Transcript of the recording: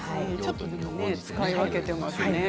使い分けていますね。